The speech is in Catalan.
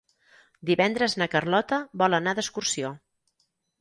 Divendres na Carlota vol anar d'excursió.